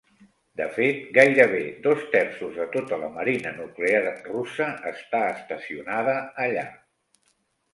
De fet, gairebé dos terços de tota la marina nuclear russa està estacionada allà.